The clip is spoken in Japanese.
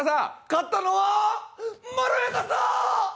勝ったのはまろやかさー！